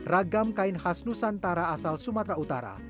ragam kain khas nusantara asal sumatera utara